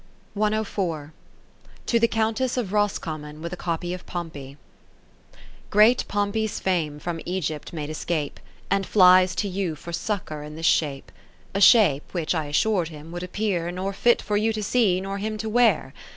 30 To the Countess of Roscom mon, with a Copy of Pompey Great Pompey's Fame from Egypt made escape. And flies to you for succour in this shape : A shape, which, I assur'd him, would appear. Nor fit for you to see, nor him to wear.